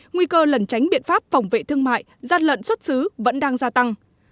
nguy cơ lẩn tránh biện pháp phòng vệ thương mại gian lận xuất xứ vẫn đang gia tăng